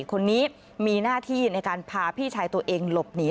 คนนี้มีหน้าที่ในการพาพี่ชายตัวเองหลบหนี